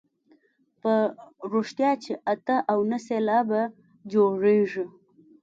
په رښتیا چې اته او نهه سېلابه جوړوي.